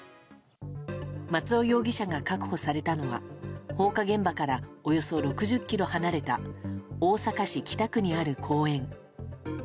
松尾容疑者が確保されたのは放火現場からおよそ６０ｋｍ離れた大阪市北区にある公園。